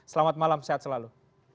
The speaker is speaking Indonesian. selamat malam sehat selalu